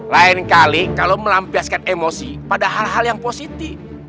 lain kali kalau melampiaskan emosi pada hal hal yang positif